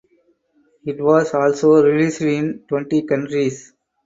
It was also released in twenty countries.